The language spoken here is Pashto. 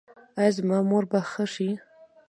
ایا زما مور به ښه شي؟